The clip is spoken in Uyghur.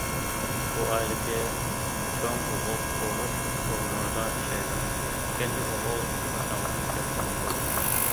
بۇ ئائىلىدىكى چوڭ ئوغۇل قۇرۇلۇش ئورۇنلىرىدا ئىشلەيدۇ، كەنجى ئوغۇل باشلانغۇچ مەكتەپتە ئوقۇيدۇ.